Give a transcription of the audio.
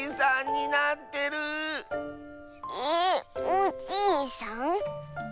おじいさん？